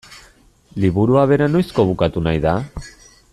Liburua bera noizko bukatu nahi da?